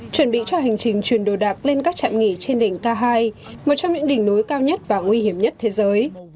chuẩn bị cho hành trình chuyển đồ đạc lên các trạm nghỉ trên đỉnh k hai một trong những đỉnh núi cao nhất và nguy hiểm nhất thế giới